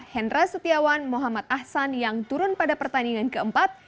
hendra setiawan muhammad ahsan yang turun pada pertandingan keempat